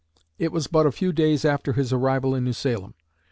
It was but a few days after his arrival in New Salem.